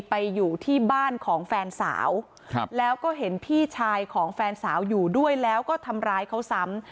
ไปอยู่ที่บ้านของแฟนสาวแล้วก็เห็นพี่ชายของแฟนสาวอยู่ด้วยแล้วก็ทำร้ายเขาซ้ำ